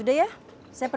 hanya ada tiga ratus rupiah